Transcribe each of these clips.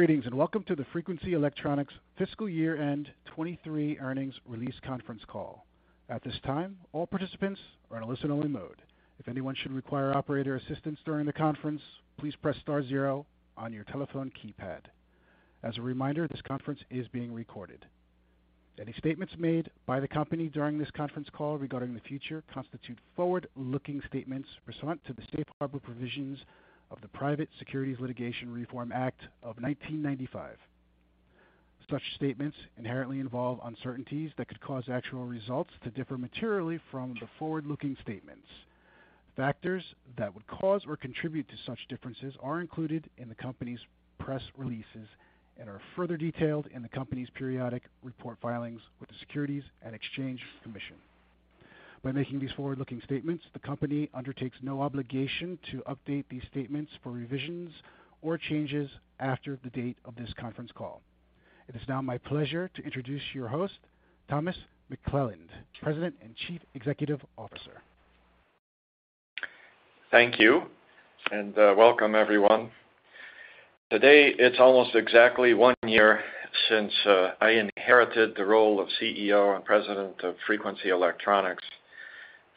Greetings, welcome to the Frequency Electronics Fiscal Year-End 2023 Earnings Release Conference Call. At this time, all participants are in a listen-only mode. If anyone should require operator assistance during the conference, please press star zero on your telephone keypad. As a reminder, this conference is being recorded. Any statements made by the company during this conference call regarding the future constitute forward-looking statements pursuant to the safe harbor provisions of the Private Securities Litigation Reform Act of 1995. Such statements inherently involve uncertainties that could cause actual results to differ materially from the forward-looking statements. Factors that would cause or contribute to such differences are included in the company's press releases and are further detailed in the company's periodic report filings with the Securities and Exchange Commission. By making these forward-looking statements, the company undertakes no obligation to update these statements for revisions or changes after the date of this conference call. It is now my pleasure to introduce your host, Thomas McClelland, President and Chief Executive Officer. Thank you, and welcome, everyone. Today, it's almost exactly one year since I inherited the role of CEO and President of Frequency Electronics,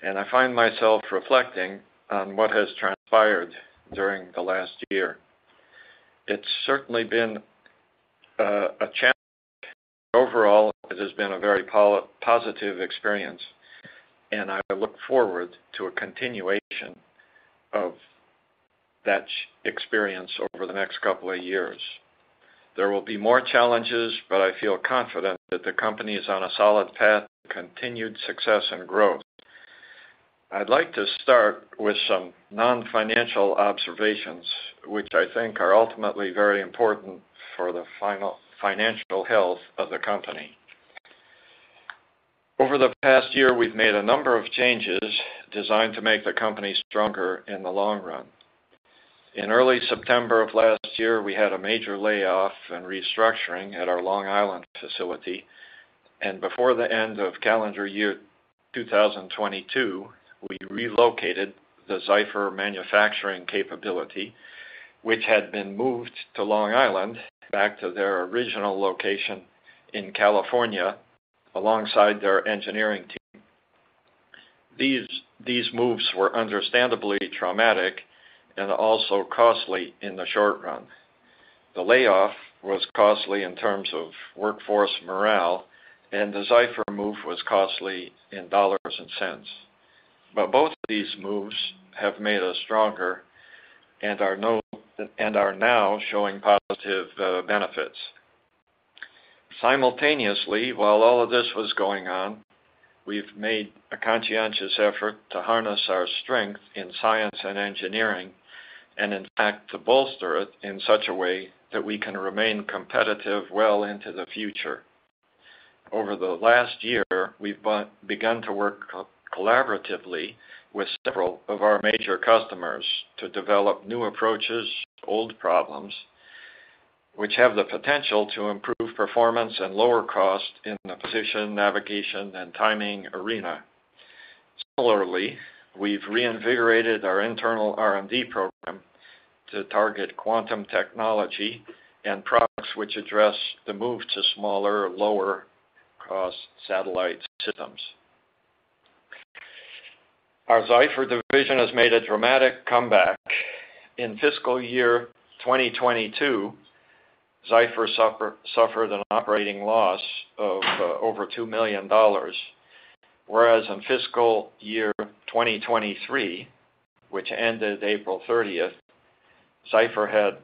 and I find myself reflecting on what has transpired during the last year. It's certainly been a challenge. Overall, it has been a very positive experience, and I look forward to a continuation of that experience over the next couple of years. There will be more challenges, but I feel confident that the company is on a solid path to continued success and growth. I'd like to start with some non-financial observations, which I think are ultimately very important for the financial health of the company. Over the past year, we've made a number of changes designed to make the company stronger in the long run. In early September of last year, we had a major layoff and restructuring at our Long Island facility, and before the end of calendar year 2022, we relocated the Zyfer manufacturing capability, which had been moved to Long Island, back to their original location in California, alongside their engineering team. These moves were understandably traumatic and also costly in the short run. The layoff was costly in terms of workforce morale, and the Zyfer move was costly in dollars and cents. But both of these moves have made us stronger and are now showing positive benefits. Simultaneously, while all of this was going on, we've made a conscientious effort to harness our strength in science and engineering, and in fact, to bolster it in such a way that we can remain competitive well into the future. Over the last year, we've begun to work collaboratively with several of our major customers to develop new approaches to old problems, which have the potential to improve performance and lower cost in the position, navigation, and timing arena. Similarly, we've reinvigorated our internal R&D program to target quantum technology and products which address the move to smaller, lower-cost satellite systems. Our Zyfer division has made a dramatic comeback. In fiscal year 2022, Zyfer suffered an operating loss of over $2 million, whereas in fiscal year 2023, which ended April 30th, Zyfer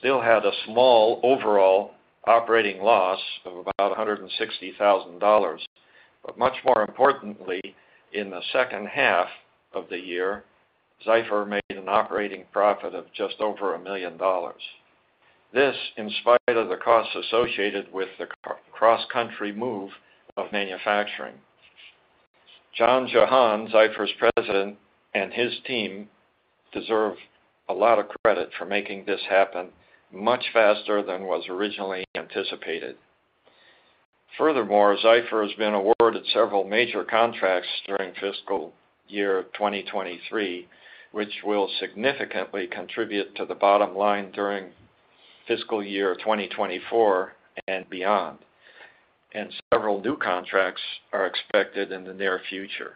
still had a small overall operating loss of about $160,000. Much more importantly, in the second half of the year, Zyfer made an operating profit of just over $1 million. This, in spite of the costs associated with the cross-country move of manufacturing. John Jahan, Zyfer's president, and his team deserve a lot of credit for making this happen much faster than was originally anticipated. Furthermore, Zyfer has been awarded several major contracts during fiscal year 2023, which will significantly contribute to the bottom line during fiscal year 2024 and beyond, and several new contracts are expected in the near future.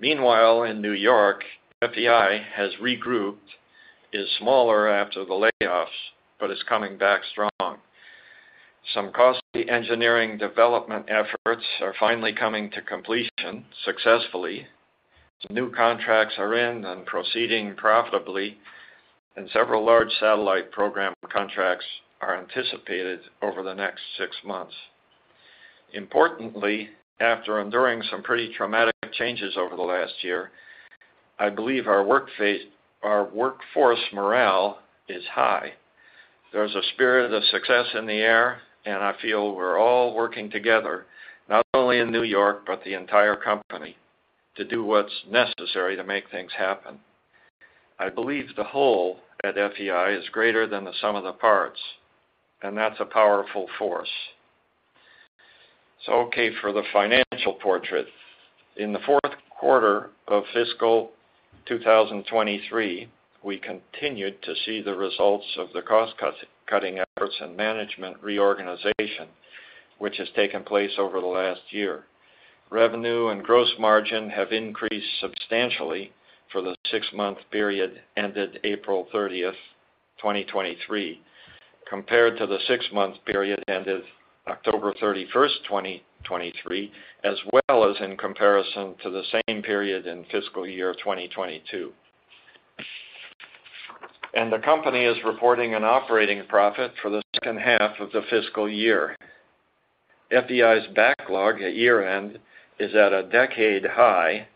Meanwhile, in New York, FEI has regrouped, is smaller after the layoffs, but is coming back strong. Some costly engineering development efforts are finally coming to completion successfully. Some new contracts are in and proceeding profitably, and several large satellite program contracts are anticipated over the next six months. Importantly, after enduring some pretty traumatic changes over the last year, I believe our workforce morale is high. There's a spirit of success in the air, and I feel we're all working together, not only in New York, but the entire company, to do what's necessary to make things happen. I believe the whole at FEI is greater than the sum of the parts, and that's a powerful force. Okay, for the financial portrait. In the fourth quarter of fiscal 2023, we continued to see the results of the cost-cutting efforts and management reorganization, which has taken place over the last year. Revenue and gross margin have increased substantially for the six-month period ended April 30th, 2023, compared to the six-month period ended October 31st, 2023, as well as in comparison to the same period in fiscal year 2022. The company is reporting an operating profit for the second half of the fiscal year. FEI's backlog at year-end is at a decade high,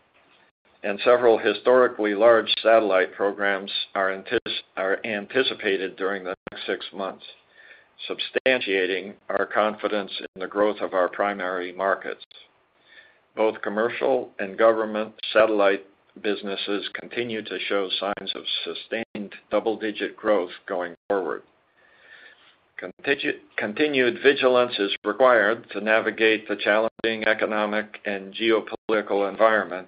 and several historically large satellite programs are anticipated during the next six months, substantiating our confidence in the growth of our primary markets. Both commercial and government satellite businesses continue to show signs of sustained double-digit growth going forward. Continued vigilance is required to navigate the challenging economic and geopolitical environment,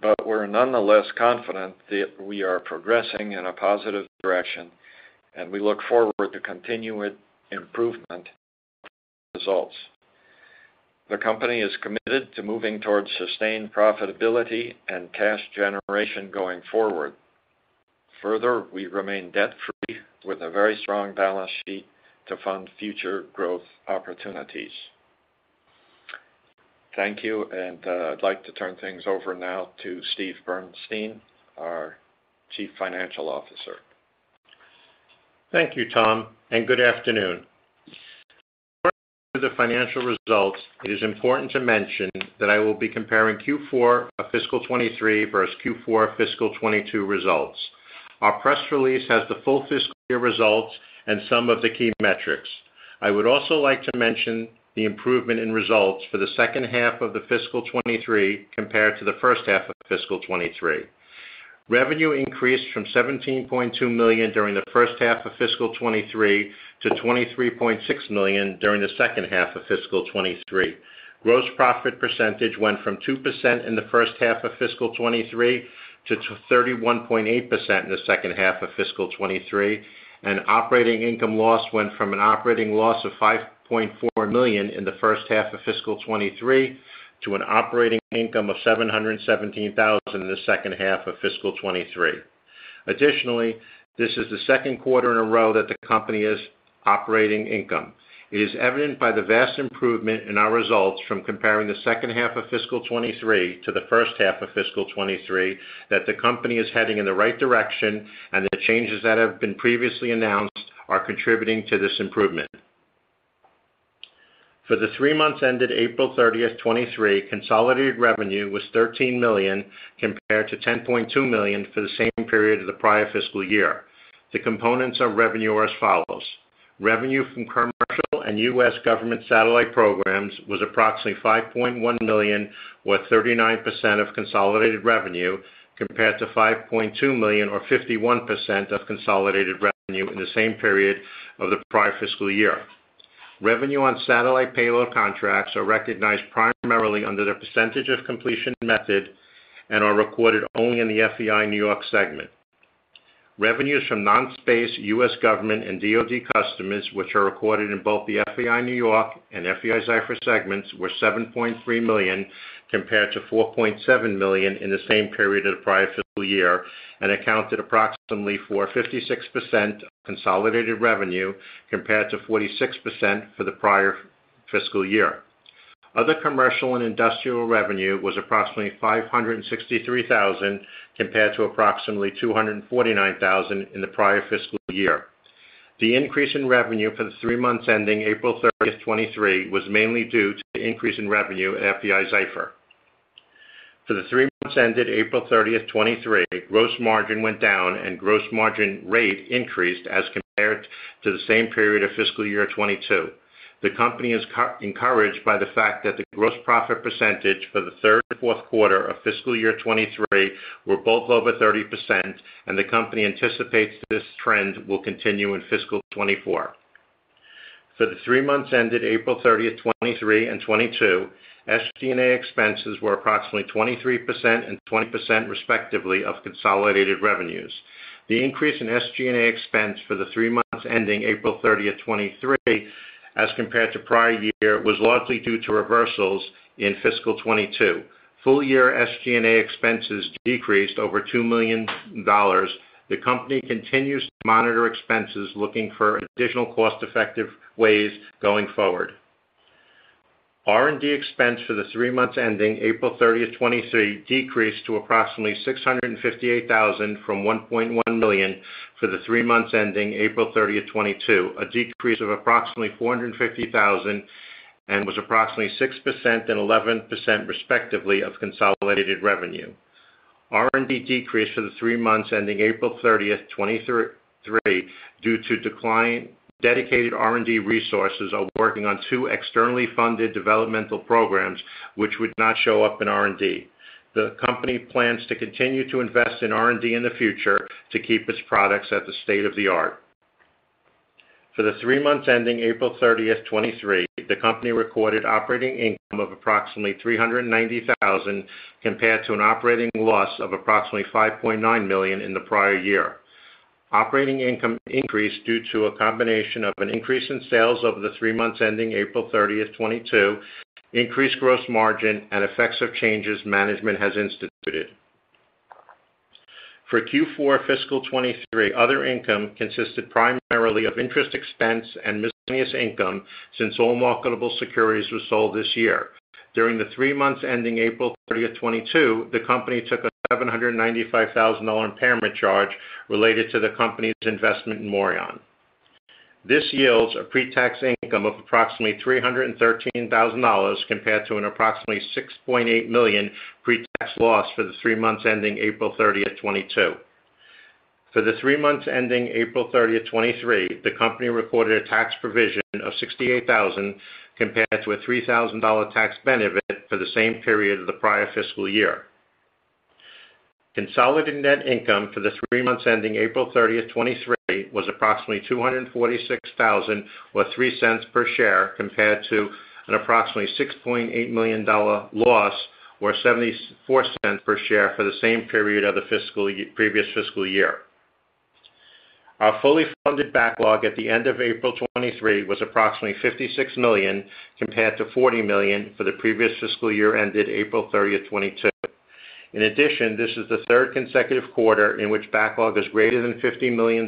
but we're nonetheless confident that we are progressing in a positive direction, and we look forward to continued improvement in results. The company is committed to moving towards sustained profitability and cash generation going forward. Further, we remain debt-free with a very strong balance sheet to fund future growth opportunities. Thank you, and, I'd like to turn things over now to Steven Bernstein, our Chief Financial Officer. Thank you, Tom, and good afternoon. Before I go to the financial results, it is important to mention that I will be comparing Q4 of fiscal 2023 versus Q4 fiscal 2022 results. Our press release has the full fiscal year results and some of the key metrics. I would also like to mention the improvement in results for the second half of the fiscal 2023 compared to the first half of fiscal 2023. Revenue increased from $17.2 million during the first half of fiscal 2023 to $23.6 million during the second half of fiscal 2023. Gross profit percentage went from 2% in the first half of fiscal 23 to 31.8% in the second half of fiscal 23, and operating income loss went from an operating loss of $5.4 million in the first half of fiscal 23 to an operating income of $717,000 in the second half of fiscal 23. Additionally, this is the second quarter in a row that the company is operating income. It is evident by the vast improvement in our results from comparing the second half of fiscal 23 to the first half of fiscal 23, that the company is heading in the right direction, and the changes that have been previously announced are contributing to this improvement. For the three months ended April 30th, 2023, consolidated revenue was $13 million, compared to $10.2 million for the same period of the prior fiscal year. The components of revenue are as follows: Revenue from commercial and U.S. government satellite programs was approximately $5.1 million, or 39% of consolidated revenue, compared to $5.2 million, or 51% of consolidated revenue in the same period of the prior fiscal year. Revenue on satellite payload contracts are recognized primarily under the percentage of completion method and are recorded only in the FEI New York segment. Revenues from non-space US government and DoD customers, which are recorded in both the FEI New York and FEI-Zyfer segments, were $7.3 million, compared to $4.7 million in the same period of the prior fiscal year, and accounted approximately for 56% of consolidated revenue, compared to 46% for the prior fiscal year. Other commercial and industrial revenue was approximately $563,000, compared to approximately $249,000 in the prior fiscal year. The increase in revenue for the three months ending April 30th, 2023, was mainly due to the increase in revenue at FEI-Zyfer. For the three months ended April 30th, 2023, gross margin went down and gross margin rate increased as compared to the same period of fiscal year 2022. The company is encouraged by the fact that the gross profit percentage for the third and fourth quarter of fiscal year 2023 were both over 30%, and the company anticipates this trend will continue in fiscal 2024. For the three months ended April 30th, 2023 and 2022, SG&A expenses were approximately 23% and 20%, respectively, of consolidated revenues. The increase in SG&A expense for the three months ending April 30th, 2023, as compared to prior year, was largely due to reversals in fiscal 2022. Full year SG&A expenses decreased over $2 million. The company continues to monitor expenses, looking for additional cost-effective ways going forward. R&D expense for the three months ending April 30th, 2023, decreased to approximately $658,000 from $1.1 million for the three months ending April 30th, 2022, a decrease of approximately $450,000, and was approximately 6% and 11%, respectively, of consolidated revenue. R&D decreased for the three months, ending April 30th, 2023, due to dedicated R&D resources are working on two externally funded developmental programs, which would not show up in R&D. The company plans to continue to invest in R&D in the future to keep its products at the state of the art. For the three months ending April 30th, 2023, the company recorded operating income of approximately $390,000, compared to an operating loss of approximately $5.9 million in the prior year. Operating income increased due to a combination of an increase in sales over the three months ending April 30th, 2022, increased gross margin, and effects of changes management has instituted. For Q4 fiscal 2023, other income consisted primarily of interest expense and miscellaneous income, since all marketable securities were sold this year. During the three months ending April 30th, 2022, the company took a $795,000 impairment charge related to the company's investment in Morion. This yields a pretax income of approximately $313,000, compared to an approximately $6.8 million pretax loss for the three months ending April 30th, 2022. For the three months ending April 30th, 2023, the company recorded a tax provision of $68,000, compared to a $3,000 tax benefit for the same period of the prior fiscal year. Consolidated net income for the three months ending April 30th, 2023, was approximately $246,000, or $0.03 per share, compared to an approximately $6.8 million loss, or $0.74 per share, for the same period of the previous fiscal year. Our fully funded backlog at the end of April 2023 was approximately $56 million, compared to $40 million for the previous fiscal year ended April 30th, 2022. In addition, this is the third consecutive quarter in which backlog is greater than $50 million,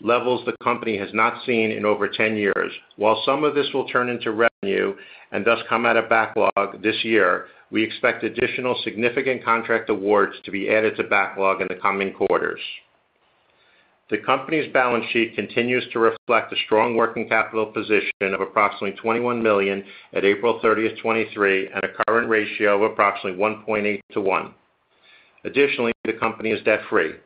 levels the company has not seen in over 10 years. While some of this will turn into revenue and thus come out of backlog this year, we expect additional significant contract awards to be added to backlog in the coming quarters. The company's balance sheet continues to reflect a strong working capital position of approximately $21 million at April 30th, 2023, at a current ratio of approximately 1.8 to one. Additionally, the company is debt-free.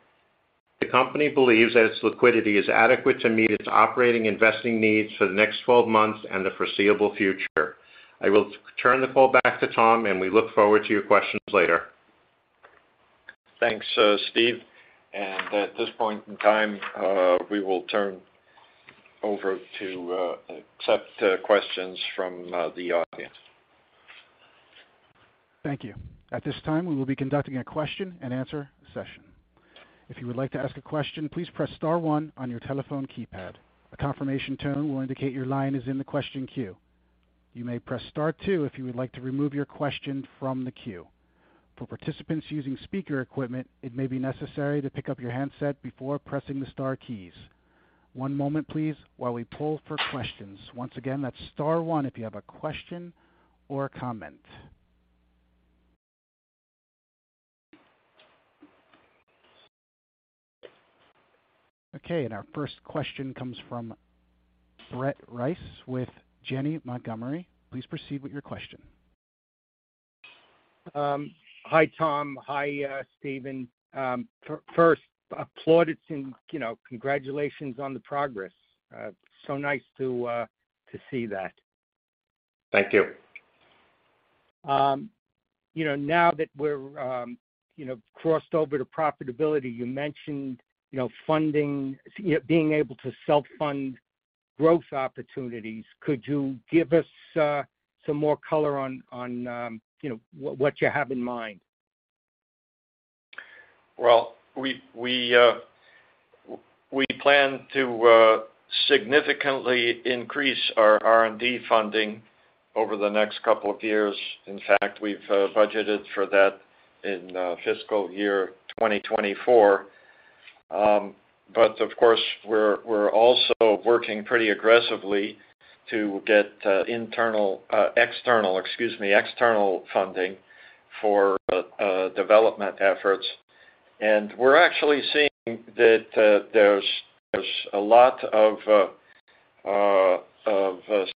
The company believes that its liquidity is adequate to meet its operating investing needs for the next 12 months and the foreseeable future. I will turn the call back to Tom. We look forward to your questions later. Thanks, Steve. At this point in time, we will turn over to accept questions from the audience. Thank you. At this time, we will be conducting a question-and-answer session. If you would like to ask a question, please press star one on your telephone keypad. A confirmation tone will indicate your line is in the question queue. You may press star two if you would like to remove your question from the queue. For participants using speaker equipment, it may be necessary to pick up your handset before pressing the star keys. One moment, please, while we pull for questions. Once again, that's star one if you have a question or a comment. Okay, and our first question comes from Brett Rice with Janney Montgomery. Please proceed with your question. Hi, Tom. Hi, Steven. First, applauded and, you know, congratulations on the progress. Nice to see that. Thank you. You know, now that we're, you know, crossed over to profitability, you mentioned, you know, funding, being able to self-fund growth opportunities. Could you give us some more color on, you know, what you have in mind? Well, we plan to significantly increase our R&D funding over the next couple of years. In fact, we've budgeted for that in fiscal year 2024. Of course, we're also working pretty aggressively to get external, excuse me, external funding for development efforts. We're actually seeing that there's a lot of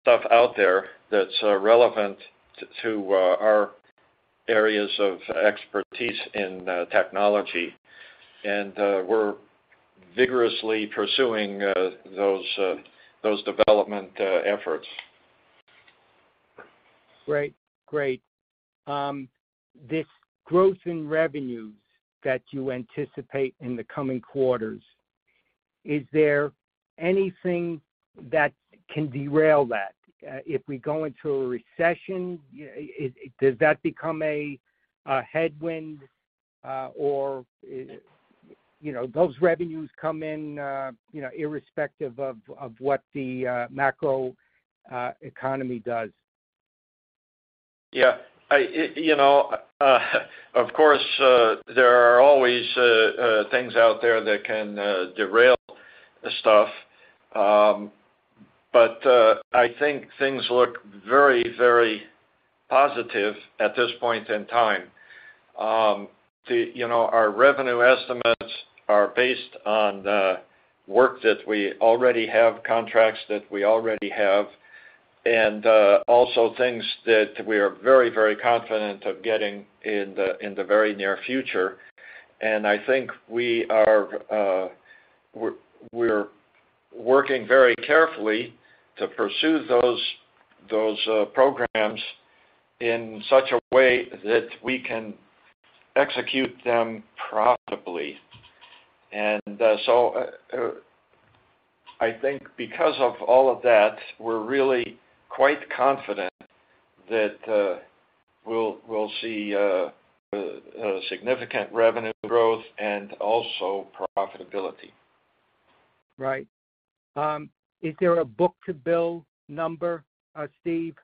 stuff out there that's relevant to our areas of expertise in technology. We're vigorously pursuing those development efforts. Great, great. This growth in revenues that you anticipate in the coming quarters, is there anything that can derail that? If we go into a recession, does that become a headwind, or, you know, those revenues come in, you know, irrespective of what the macro economy does? Yeah, I, you know, of course, there are always things out there that can derail stuff. I think things look very, very positive at this point in time. The, you know, our revenue estimates are based on the work that we already have, contracts that we already have, and also things that we are very, very confident of getting in the, in the very near future. I think we are, we're working very carefully to pursue those programs in such a way that we can execute them profitably. I think because of all of that, we're really quite confident that we'll see significant revenue growth and also profitability. Right. Is there a book to bill number, Steve?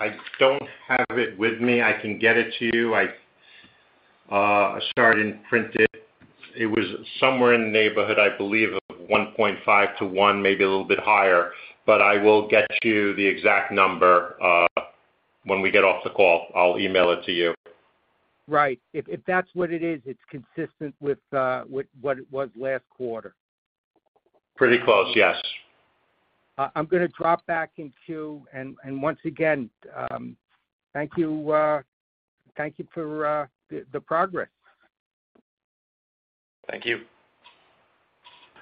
I don't have it with me. I can get it to you. I started and printed. It was somewhere in the neighborhood, I believe, of 1.5 to one, maybe a little bit higher, but I will get you the exact number, when we get off the call. I'll email it to you. Right. If that's what it is, it's consistent with what it was last quarter. Pretty close, yes. I'm gonna drop back in queue, and once again, thank you, thank you for, the progress. Thank you.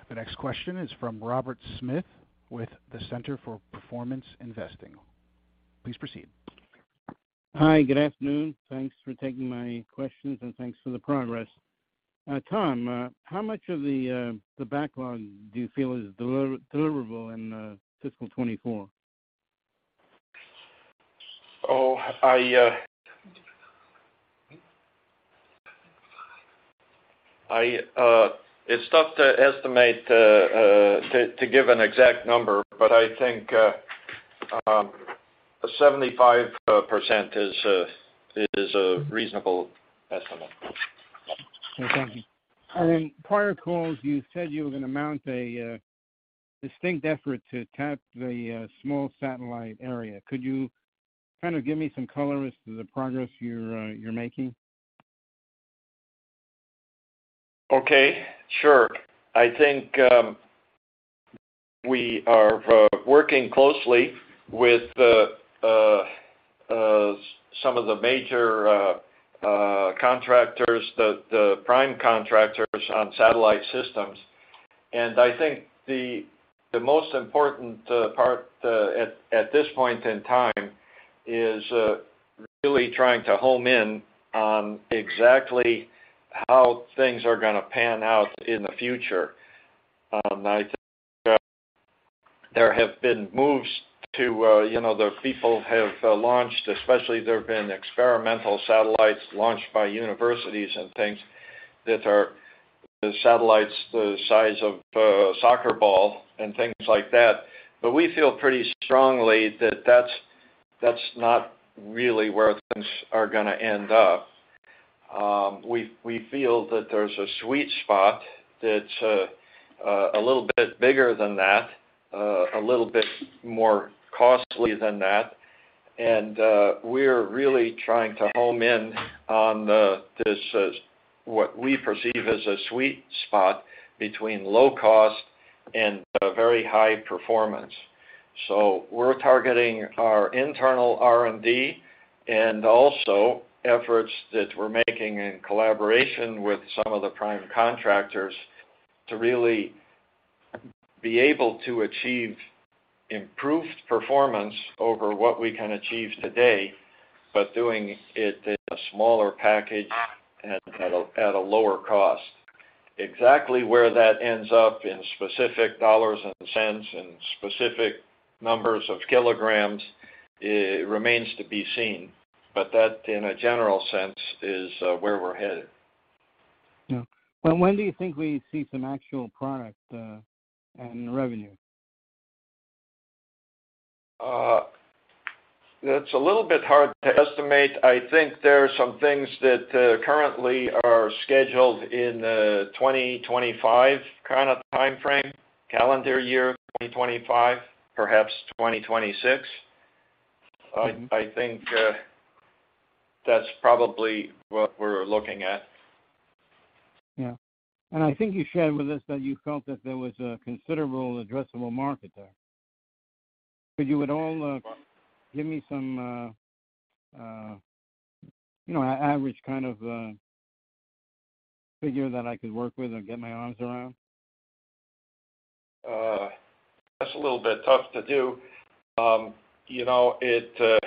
The next question is from Robert Smith with the Center for Performance Investing. Please proceed. Hi, good afternoon. Thanks for taking my questions, and thanks for the progress. Tom, how much of the backlog do you feel is deliverable in fiscal 2024? Oh, I it's tough to estimate to give an exact number, but I think 75% is a reasonable estimate. Okay, thank you. On prior calls, you said you were gonna mount a distinct effort to tap the small satellite area. Could you kind of give me some color as to the progress you're making? Okay, sure. I think, we are working closely with the some of the major contractors, the prime contractors on satellite systems. I think the most important part at this point in time is really trying to home in on exactly how things are gonna pan out in the future. I think there have been moves to, you know, the people have launched, especially there have been experimental satellites launched by universities and things that are the satellites, the size of a soccer ball and things like that. We feel pretty strongly that that's not really where things are gonna end up. We feel that there's a sweet spot that's a little bit bigger than that, a little bit more costly than that, and we're really trying to home in on what we perceive as a sweet spot between low cost and a very high performance. We're targeting our internal R&D and also efforts that we're making in collaboration with some of the prime contractors, to really be able to achieve improved performance over what we can achieve today, but doing it in a smaller package at a lower cost. Exactly where that ends up in specific dollars and cents and specific numbers of kilograms, it remains to be seen, but that, in a general sense, is where we're headed. Yeah. When do you think we see some actual product, and revenue? That's a little bit hard to estimate. I think there are some things that currently are scheduled in 2025 kinda timeframe, calendar year, 2025, perhaps 2026. Mm-hmm. I think that's probably what we're looking at. Yeah. I think you shared with us that you felt that there was a considerable addressable market there. Could you at all, give me some, you know, average kind of, figure that I could work with or get my arms around? That's a little bit tough to do. You know, it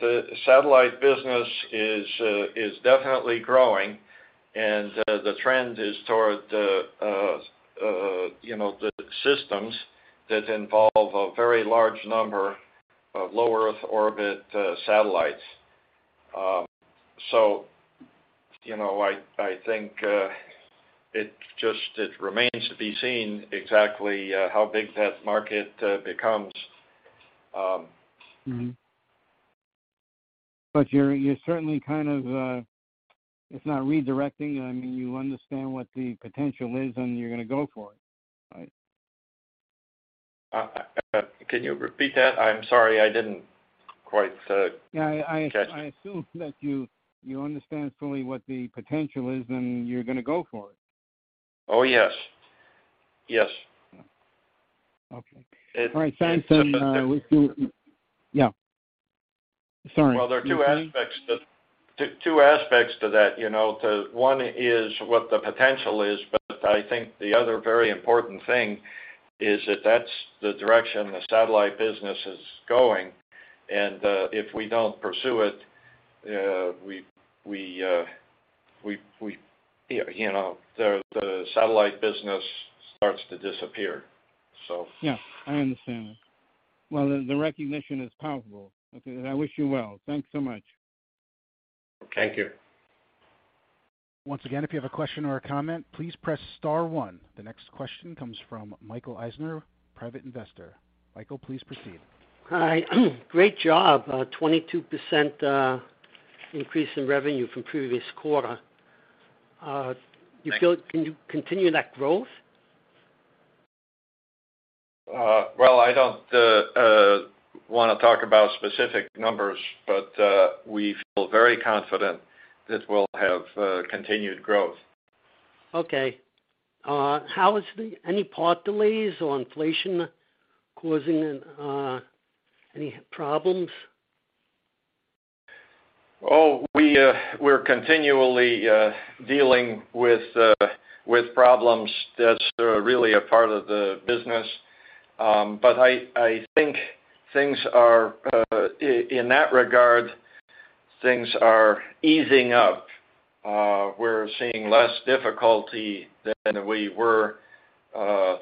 the satellite business is definitely growing, and the trend is toward, you know, the systems that involve a very large number of low Earth orbit satellites. You know, I think, it remains to be seen exactly how big that market becomes. Mm-hmm. You're certainly kind of, if not redirecting, I mean, you understand what the potential is, and you're gonna go for it, right? Can you repeat that? I'm sorry, I didn't quite. Yeah- catch it. I assume that you understand fully what the potential is, and you're gonna go for it. Oh, yes. Yes. Okay. It's- All right, thanks. Yeah. Sorry. There are two aspects to that, you know, the one is what the potential is, but I think the other very important thing is that that's the direction the satellite business is going, and if we don't pursue it, we, you know, the satellite business starts to disappear, so. Yes, I understand. Well, the recognition is palpable. Okay, I wish you well. Thanks so much. Thank you. Once again, if you have a question or a comment, please press star one. The next question comes from Michael Eisner, private investor. Michael, please proceed. Hi. Great job, 22% increase in revenue from previous quarter. Thank you. Can you continue that growth? Well, I don't, wanna talk about specific numbers, but, we feel very confident that we'll have, continued growth. Okay. how is the... Any part delays or inflation causing, any problems? We're continually dealing with problems. That's really a part of the business. I think things are in that regard, things are easing up. We're seeing less difficulty than we were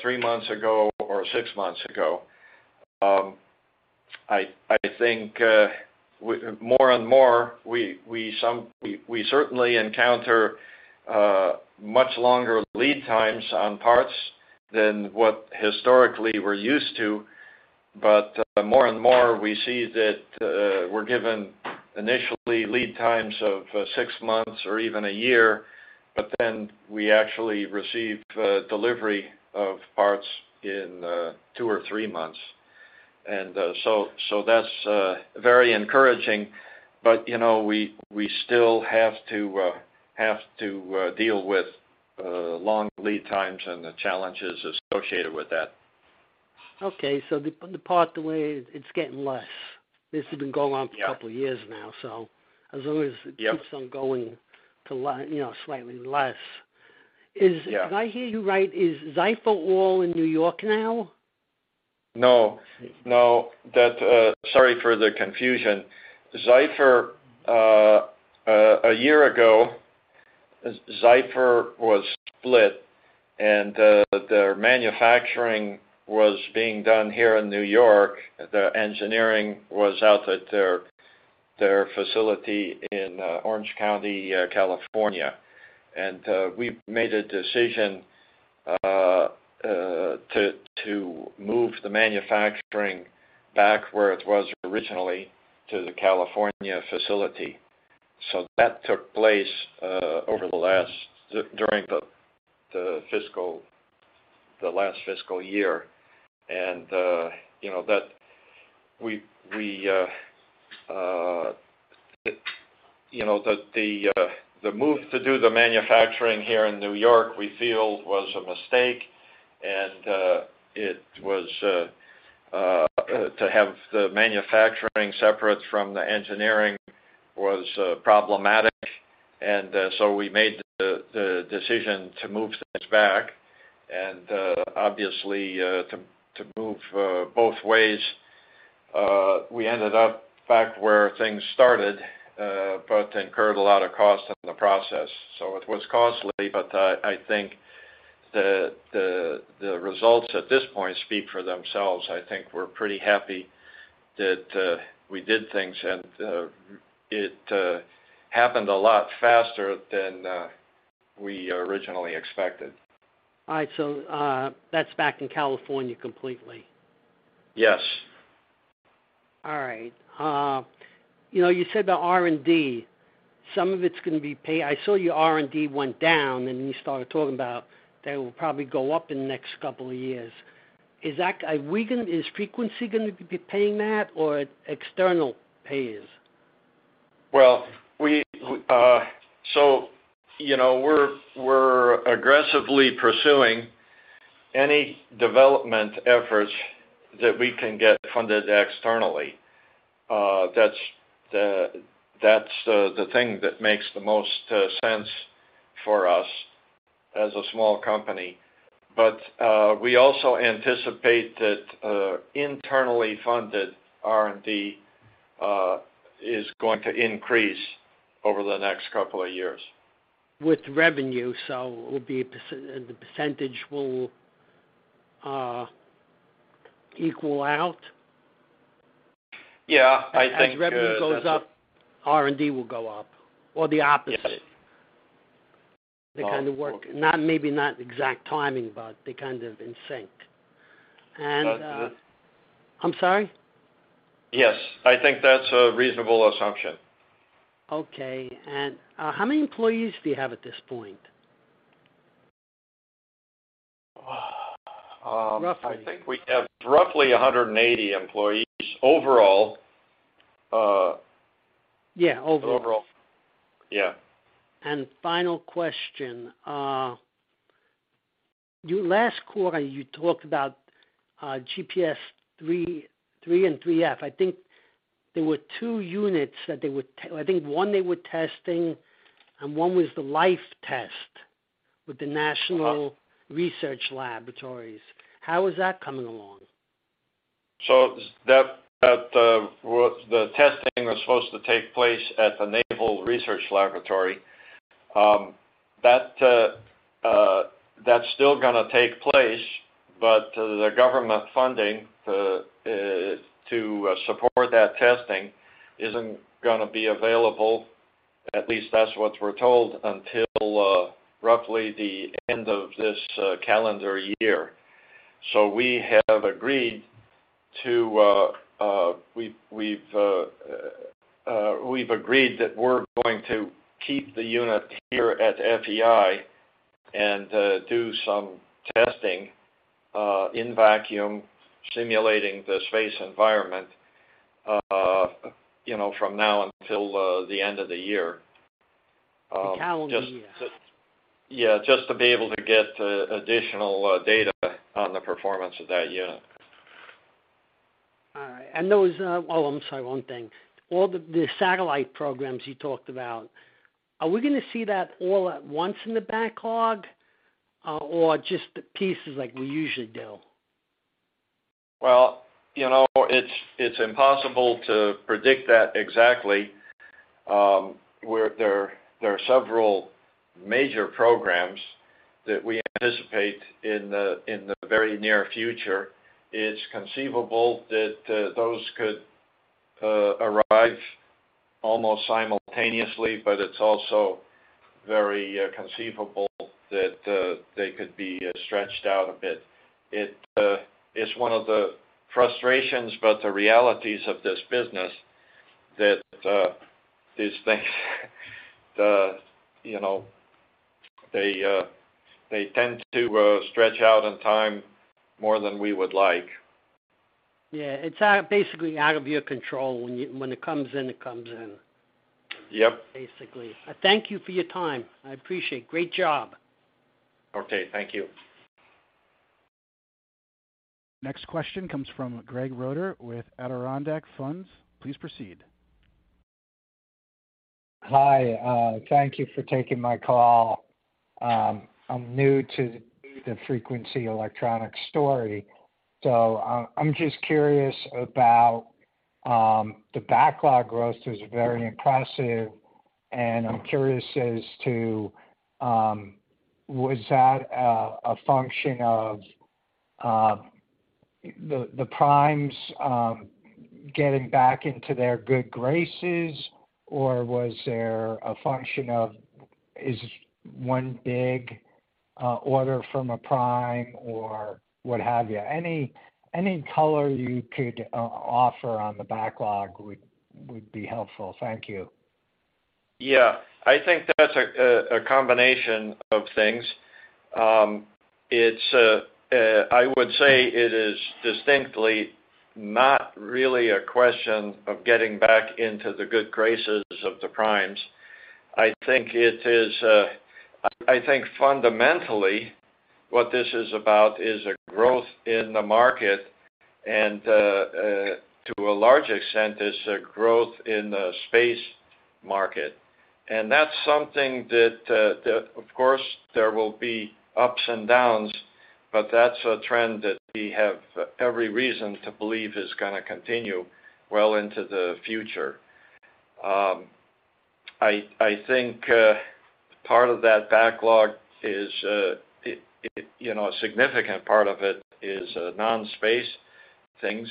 three months ago or six months ago. I think more and more, we certainly encounter much longer lead times on parts than what historically we're used to. More and more, we see that we're given initially lead times of six months or even 1 year, we actually receive delivery of parts in two or three months. That's very encouraging. You know, we still have to deal with long lead times and the challenges associated with that. The part delay, it's getting less. This has been going on- Yeah for a couple of years now. as long as Yeah -it keeps on going to, you know, slightly less. Yeah. Did I hear you right, is Zyfer all in New York now? No, no. That. Sorry for the confusion. Zyfer, a year ago, Zyfer was split, their manufacturing was being done here in New York. The engineering was out at their facility in Orange County, California. We made a decision to move the manufacturing back where it was originally to the California facility. That took place over the last fiscal year. You know, that we, you know, the move to do the manufacturing here in New York, we feel was a mistake, and it was to have the manufacturing separate from the engineering was problematic. We made the decision to move things back. Obviously, to move, both ways, we ended up back where things started, but incurred a lot of cost in the process. It was costly, but, I think the, the results at this point speak for themselves. I think we're pretty happy that, we did things, and, it, happened a lot faster than, we originally expected. All right. That's back in California completely? Yes. All right. you know, you said the R&D, some of it's gonna be paid. I saw your R&D went down, you started talking about that it will probably go up in the next couple of years. Is Frequency gonna be paying that or external payers? We, so, you know, we're aggressively pursuing any development efforts that we can get funded externally. That's the thing that makes the most sense for us as a small company. We also anticipate that internally funded R&D is going to increase over the next couple of years. With revenue, the percentage will equal out? Yeah, I think. As revenue goes up, R&D will go up, or the opposite? Yes. The kind of work. Not, maybe not exact timing, but they're kind of in sync. That's it. I'm sorry? Yes, I think that's a reasonable assumption. Okay. How many employees do you have at this point? Uh, um- Roughly. I think we have roughly 180 employees overall. Yeah, overall. Overall, yeah. Final question. Your last quarter, you talked about GPS III, III and IIIF. I think there were two units that they were I think one they were testing, and one was the life test with the Naval Research Laboratory. How is that coming along? That was, the testing was supposed to take place at the Naval Research Laboratory. That's still gonna take place, but the government funding, the to support that testing isn't gonna be available. At least that's what we're told, until roughly the end of this calendar year. We have agreed to, we've agreed that we're going to keep the unit here at FEI and do some testing in vacuum, simulating the space environment, you know, from now until the end of the year. The calendar year. Yeah, just to be able to get additional data on the performance of that unit. All right, those. Oh, I'm sorry, one thing. All the satellite programs you talked about, are we gonna see that all at once in the backlog, or just the pieces like we usually do? Well, you know, it's impossible to predict that exactly. Where there are several major programs that we anticipate in the, in the very near future. It's conceivable that those could arrive almost simultaneously, but it's also very conceivable that they could be stretched out a bit. It is one of the frustrations, but the realities of this business, that these things, the, you know, they tend to stretch out in time more than we would like. It's out, basically out of your control. When you, when it comes in, it comes in. Yep. Basically. Thank you for your time. I appreciate it. Great job! Okay, thank you. Next question comes from Greg Roeder with Adirondack Funds. Please proceed. Hi, thank you for taking my call. I'm new to the Frequency Electronics story. I'm just curious about the backlog growth is very impressive, and I'm curious as to was that a function of the primes getting back into their good graces? Was there a function of, is one big order from a prime or what have you? Any color you could offer on the backlog would be helpful. Thank you. Yeah. I think that's a combination of things. It's I would say it is distinctly not really a question of getting back into the good graces of the primes. I think it is. I think fundamentally, what this is about is a growth in the market, and to a large extent, it's a growth in the space market. That's something that of course, there will be ups and downs, but that's a trend that we have every reason to believe is gonna continue well into the future. I think part of that backlog is, it, you know, a significant part of it is non-space things.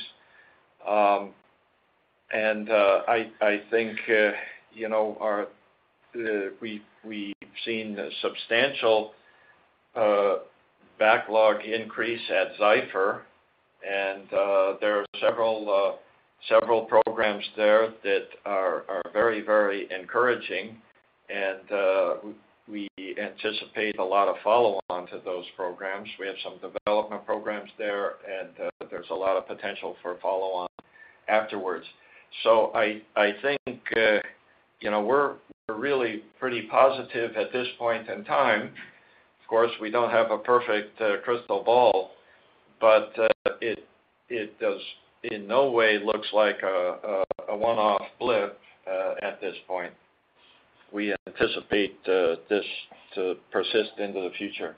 our, we've seen a substantial backlog increase at Zyfer, and there are several programs there that are very, very encouraging, and we anticipate a lot of follow-on to those programs. We have some development programs there, and there's a lot of potential for follow-on afterwards. I think, you know, we're really pretty positive at this point in time. Of course, we don't have a perfect crystal ball, but it does in no way looks like a one-off blip at this point. We anticipate this to persist into the future.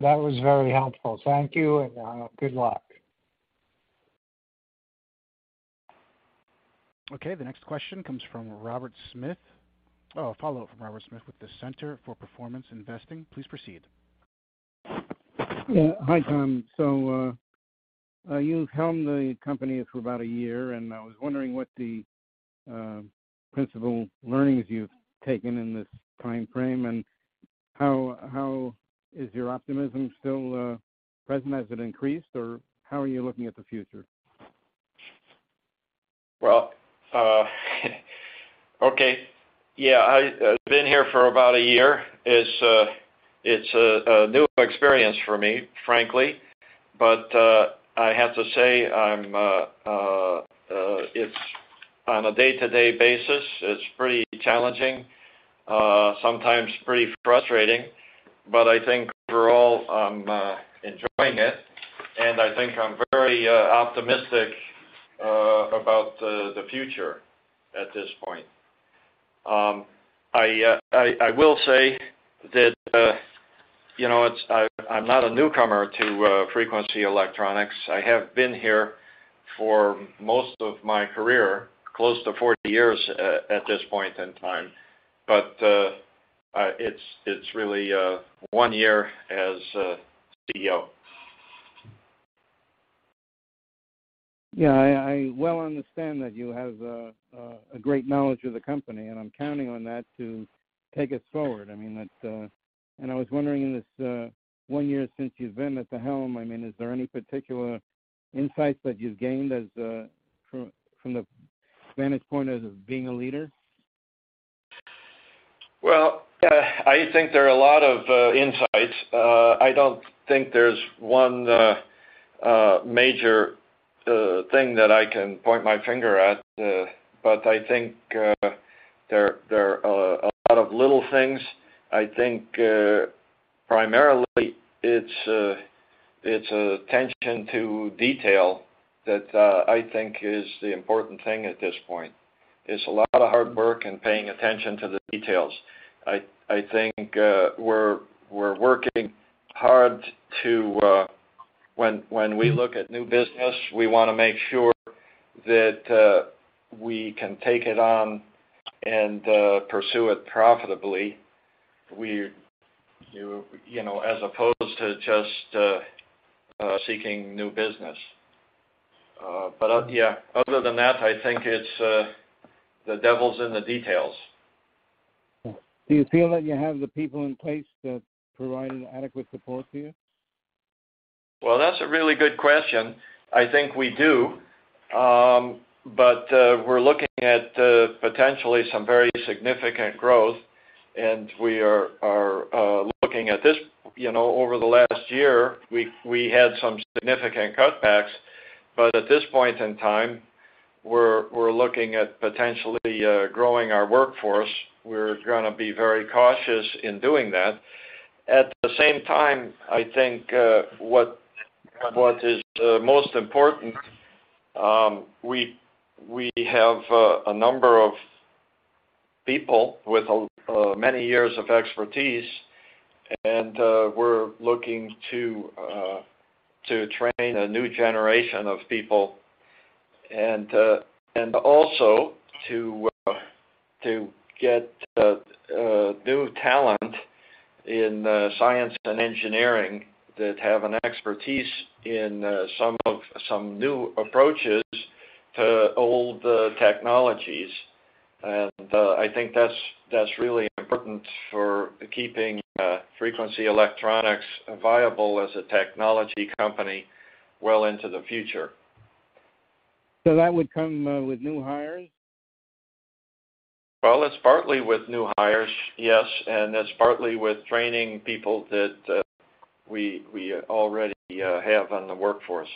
That was very helpful. Thank you, and good luck. Okay, the next question comes from Robert Smith. Oh, a follow-up from Robert Smith with the Center for Performance Investing. Please proceed. Hi, Tom. You've helmed the company for about a year, and I was wondering what the principal learnings you've taken in this time frame. Is your optimism still present? Has it increased, or how are you looking at the future? Well, okay. Yeah, I been here for about a year. It's a new experience for me, frankly, but I have to say On a day-to-day basis, it's pretty challenging, sometimes pretty frustrating, but I think overall, I'm enjoying it, and I think I'm very optimistic about the future at this point. I will say that, you know, I'm not a newcomer to Frequency Electronics. I have been here for most of my career, close to 40 years, at this point in time. I, it's really one year as CEO. Yeah, I well understand that you have a great knowledge of the company, and I'm counting on that to take us forward. I mean, that's. I was wondering, in this one year since you've been at the helm, I mean, is there any particular insights that you've gained as from the vantage point of being a leader? Well, I think there are a lot of insights. I don't think there's one major thing that I can point my finger at, but I think there are a lot of little things. I think primarily, it's attention to detail that I think is the important thing at this point. It's a lot of hard work and paying attention to the details. I think we're working hard. When we look at new business, we wanna make sure that we can take it on and pursue it profitably. You know, as opposed to just seeking new business. Yeah, other than that, I think it's the devil's in the details. Do you feel that you have the people in place that provide adequate support to you? That's a really good question. I think we do, but we're looking at potentially some very significant growth, and we are looking at this. You know, over the last year, we had some significant cutbacks, but at this point in time, we're looking at potentially growing our workforce. We're gonna be very cautious in doing that. At the same time, I think what is most important, we have a number of people with many years of expertise, and we're looking to train a new generation of people and also to get new talent in science and engineering that have an expertise in some of some new approaches to old technologies. I think that's really important for keeping Frequency Electronics viable as a technology company well into the future. That would come with new hires? it's partly with new hires, yes, and it's partly with training people that we already have on the workforce.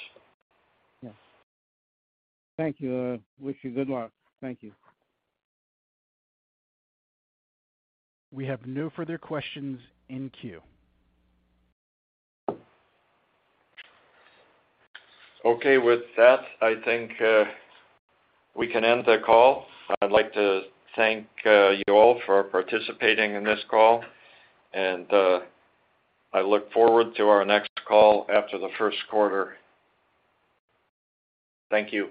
Yes. Thank you. Wish you good luck. Thank you. We have no further questions in queue. Okay. With that, I think, we can end the call. I'd like to thank, you all for participating in this call. I look forward to our next call after the first quarter. Thank you.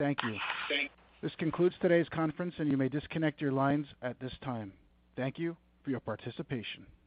Thank you. Thank- This concludes today's conference, and you may disconnect your lines at this time. Thank you for your participation.